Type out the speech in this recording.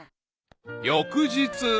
［翌日］